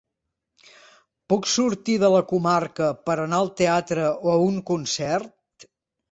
Puc sortir de la comarca per anar al teatre o a un concert?